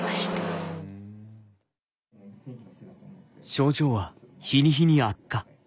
症状は日に日に悪化。